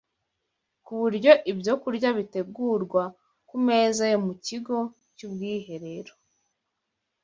ku buryo ibyokurya bitegurwa ku meza yo mu Kigo cy’Ubwiherero